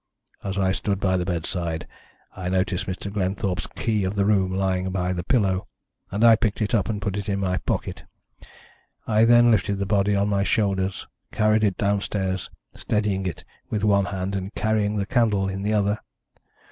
As I stood by the bedside, I noticed Mr. Glenthorpe's key of the room lying by the pillow, and I picked it up and put it in my pocket. I then lifted the body on my shoulders, carried it downstairs, steadying it with one hand, and carrying the candle in the other.